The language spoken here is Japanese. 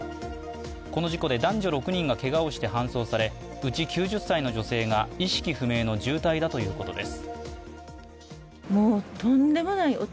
この事故で男女６人がけがをして搬送されうち９０歳の女性が意識不明の重体だということです。